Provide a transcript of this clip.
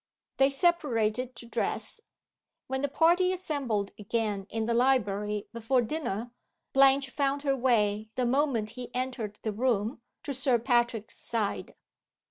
They separated to dress. When the party assembled again, in the library, before dinner, Blanche found her way, the moment he entered the room, to Sir Patrick's side.